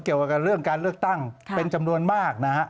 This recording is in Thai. เกี่ยวกับเรื่องการเลือกตั้งเป็นจำนวนมากนะฮะ